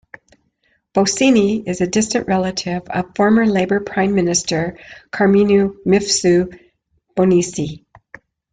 Bonnici is a distant relative of former Labour Prime Minister Karmenu Mifsud Bonnici.